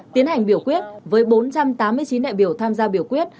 tiến hành biểu quyết với bốn trăm tám mươi chín đại biểu tham gia biểu quyết